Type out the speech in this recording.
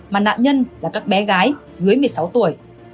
mà nạn nhân là các bé gái dưới một mươi sáu tuổi